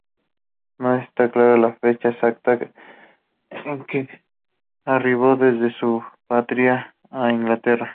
No está clara la fecha exacta en que arribó desde su patria a Inglaterra.